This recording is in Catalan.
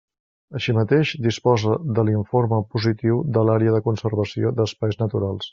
Així mateix, disposa de l'informe positiu de l'Àrea de Conservació d'Espais Naturals.